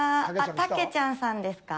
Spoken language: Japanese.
たけちゃんさんですか？